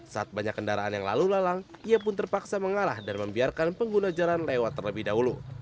saat banyak kendaraan yang lalu lalang ia pun terpaksa mengalah dan membiarkan pengguna jalan lewat terlebih dahulu